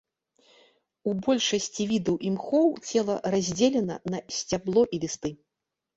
У большасці відаў імхоў цела раздзелена на сцябло і лісты.